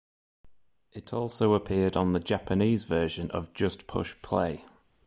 It also appeared on the Japanese version of "Just Push Play".